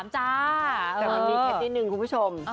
แต่มันมีเคล็ดนิดนึงคุณผู้ชม